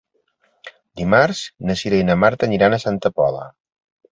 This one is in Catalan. Dimarts na Cira i na Marta aniran a Santa Pola.